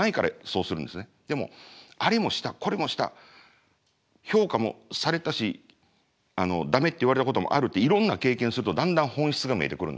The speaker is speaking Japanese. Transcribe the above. でもあれもしたこれもした評価もされたしダメって言われたこともあるっていろんな経験するとだんだん本質が見えてくるんですよ。